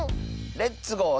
「レッツゴー！